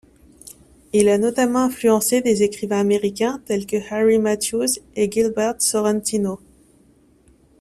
Il a notamment influencé des écrivains américains tels que Harry Mathews et Gilbert Sorrentino.